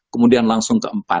tiga kemudian langsung ke empat